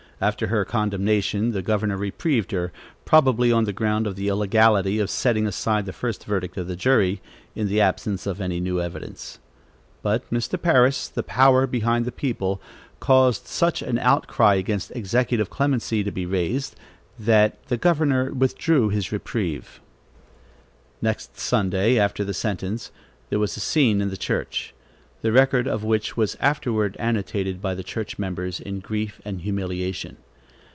After her condemnation, the governor reprieved her, probably on the ground of the illegality of setting aside the first verdict of the jury, in the absence of any new evidence; but Mr. Parris, the power behind the people, caused such an outcry against executive clemency to be raised, that the governor withdrew his reprieve. Next Sunday after the sentence, there was a scene in the church, the record of which was afterward annotated by the church members in grief and humiliation.